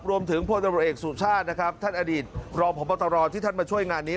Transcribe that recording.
พลตำรวจเอกสุชาตินะครับท่านอดีตรองพบตรที่ท่านมาช่วยงานนี้